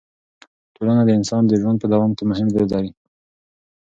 ټولنه د انسان د ژوند په دوام کې مهم رول لري.